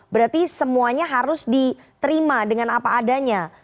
berarti semuanya harus diterima dengan apa adanya